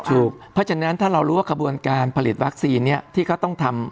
ถูกเพราะฉะนั้นถ้าเรารู้ว่าขบวนการผลิตวัคซีนนี้ที่เขาต้องทำ